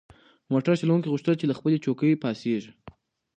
موټر چلونکي غوښتل چې له خپلې چوکۍ پاڅیږي.